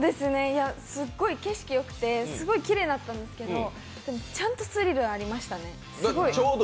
すっごい景色よくてすっごいきれいだったんですけどでもちゃんとスリルはありましたね。